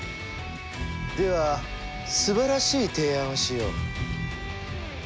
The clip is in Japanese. ではすばらしい提案をしよう。